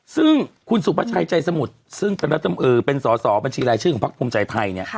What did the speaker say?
ซึ่งคุณสุภาชัยใจสมุทธ์ซึ่งเบนรษมเอิลเป็นสอศอกบัญชีรายชื่อของพรรคพลมใจไพรเนี่ย